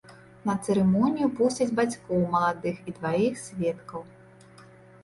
На цырымонію пусцяць бацькоў маладых і дваіх сведкаў.